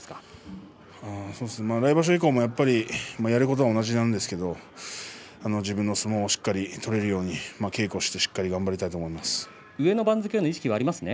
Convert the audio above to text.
来場所以降もやることは同じなんですけれども自分の相撲をしっかり取れるように稽古して頑張りたいと思います。